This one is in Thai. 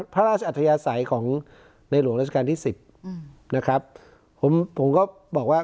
พระราชอัธยาศัยของในหลวงราชการที่สิบอืมนะครับผมผมก็บอกว่า